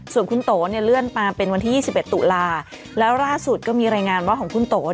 ส่วนคุณโตเนี่ยเลื่อนมาเป็นวันที่๒๑ตุลาแล้วล่าสุดก็มีรายงานว่าของคุณโต